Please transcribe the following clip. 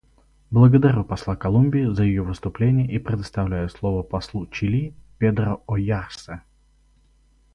Благодарю посла Колумбии за ее выступление и предоставляю слово послу Чили Педро Ойярсе.